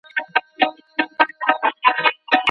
بل لفظ ئې مقصد وي.